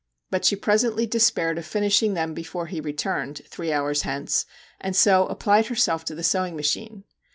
But she presently despaired of finishing them before he returned, three hours hence, and so applied herself to the sewing machine.